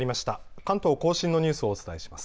関東甲信のニュースをお伝えします。